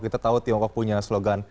kita tahu tiongkok punya slogan